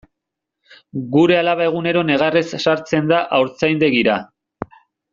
Gure alaba egunero negarrez sartzen da haurtzaindegira.